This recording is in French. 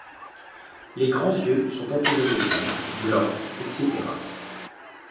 Les grands yeux sont entourés de gris, blanc, etc.